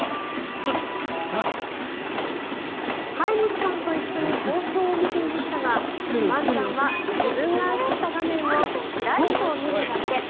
飼い主さんと一緒に放送を見ていましたがワンちゃんは自分が映った画面をチラリと見るだけ。